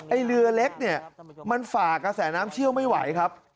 เรือเล็กเนี่ยมันฝ่ากระแสน้ำเชี่ยวไม่ไหวครับ